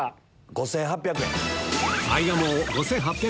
５８００円。